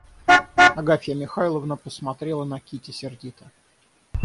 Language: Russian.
Агафья Михайловна посмотрела на Кити сердито.